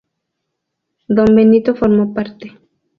Don Benito formó parte.